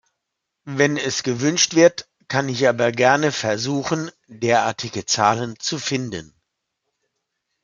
Wenn es gewünscht wird, kann ich aber gerne versuchen, derartige Zahlen zu finden.